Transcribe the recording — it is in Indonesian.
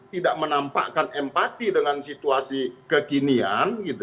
tidak menampakkan empati dengan situasi kekinian